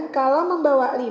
kalau membawa lima